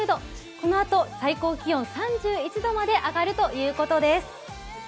このあと、最高気温３１度まで上がるということです。